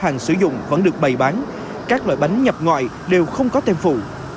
hàng sử dụng vẫn được bày bán các loại bánh nhập ngoại đều không có thêm phụ